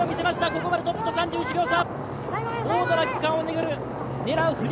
こまでトップと３１秒差。